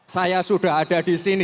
saya sudah ada di sini